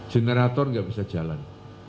generator enggak bisa jalan